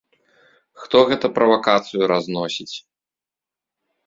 Хто гэта правакацыю разносіць.